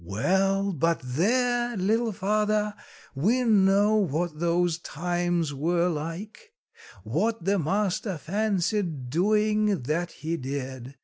Well, but there, little father, we know what those times were like; what the master fancied doing, that he did.